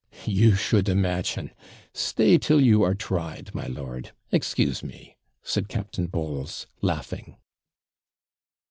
'You should imagine! Stay till you are tried, my lord. Excuse me,' said Captain Bowles, laughing.